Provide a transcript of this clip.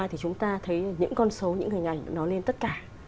thì chúng ta thấy những con số những hình ảnh nó lên tất cả